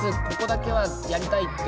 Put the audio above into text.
ここだけやりたい。